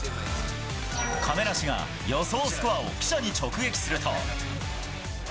亀梨が予想スコアを記者に直撃すると。